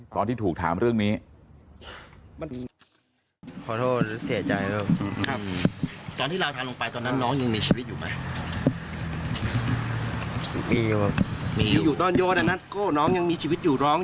ตอนที่ถูกถามเรื่องนี้